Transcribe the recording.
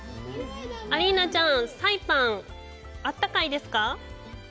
アリーナちゃん、サイパン、あったかいですか？